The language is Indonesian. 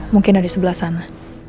mungkin ada di sebelah sana